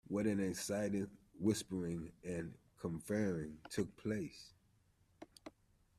What an excited whispering and conferring took place.